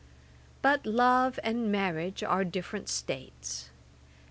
But love and marriage are different states.